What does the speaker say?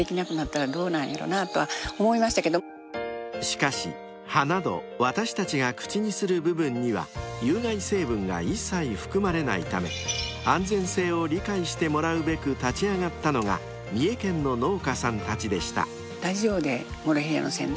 ［しかし葉など私たちが口にする部分には有害成分が一切含まれないため安全性を理解してもらうべく立ち上がったのが三重県の農家さんたちでした］